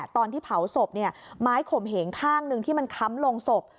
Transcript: ตอนที่เผาศพไม้ข่มเหงข้างหนึ่งที่มันค้ำลงศพ